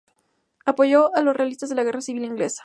Apoyó a los realistas en la Guerra civil inglesa.